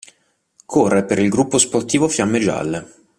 Corre per il Gruppo Sportivo Fiamme Gialle.